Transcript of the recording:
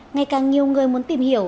ngày càng nhiều người muốn tìm hiểu